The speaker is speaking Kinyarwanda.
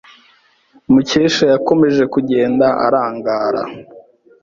Mukesha yakomeje kugenda arangara.